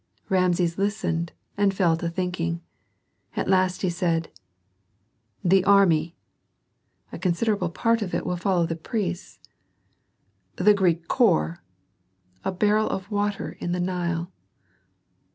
Rameses listened and fell to thinking. At last he said, "The army " "A considerable part of it will follow the priests." "The Greek corps " "A barrel of water in the Nile."